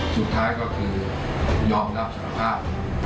สุดท้ายก็คือยอมรับสารภาพ